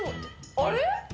あれ？